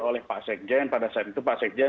oleh pak sekjen pada saat itu pak sekjen